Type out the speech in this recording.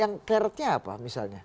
yang keretnya apa misalnya